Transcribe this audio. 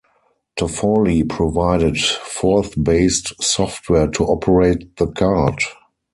Toffoli provided Forth-based software to operate the card.